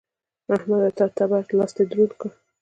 احمده! تا تر تبر؛ لاستی دروند کړ.